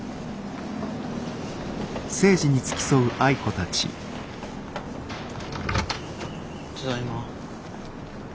ただいま。